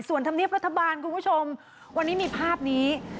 ส่วนธรรมเนียบรัฐบาลคุณผู้ชมวันนี้มีภาพนี้